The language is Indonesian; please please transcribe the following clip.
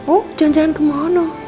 oh jalan jalan ke mana